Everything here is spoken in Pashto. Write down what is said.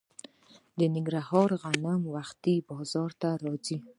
د ننګرهار غنم وختي بازار ته راځي.